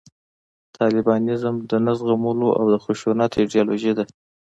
طالبانیزم د نه زغملو او د خشونت ایدیالوژي ده